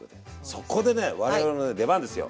そこでね我々の出番ですよ。